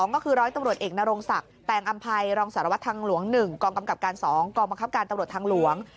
ก็คือร้อยตำรวจเอกนรงศักดิ์แตงอำภัยรองสารวัตรทางหลวง๑กองกำกับการ๒กองบังคับการตำรวจทางหลวง